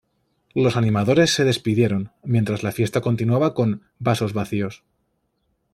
Los animadores se despidieron, mientras la fiesta continuaba con "Vasos vacíos".